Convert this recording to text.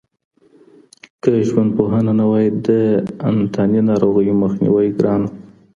که ژوندپوهنه نه وای، د انتاني ناروغيو مخنیوی ګران و.